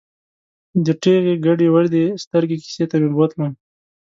د ټېغې ګډې ودې سترګې کیسې ته مې بوتلم.